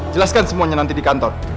jelaskan semuanya nanti di kantor